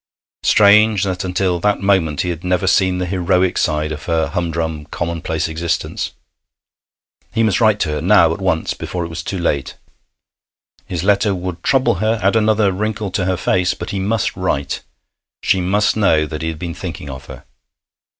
Strange that until that moment he had never seen the heroic side of her humdrum, commonplace existence! He must write to her, now, at once, before it was too late. His letter would trouble her, add another wrinkle to her face, but he must write; she must know that he had been thinking of her.